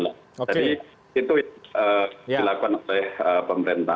jadi itu dilakukan oleh pemerintah